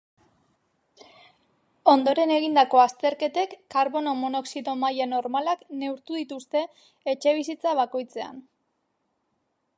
Ondoren egindako azterketek karbono monoxido maila normalak neurtu dituzte etxebizitza bakoitzean.